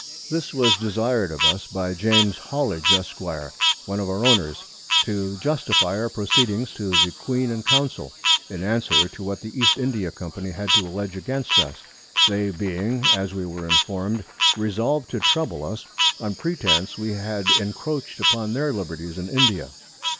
This was desir'd of us by James Hollidge, Esq; one of our Owners, to justifie our Proceedings to the Queen and Council, in Answer to what the East India Company had to alledge against us, they being, as we were inform'd, resolved to trouble us, on Pretence we had encroached upon their Liberties in India.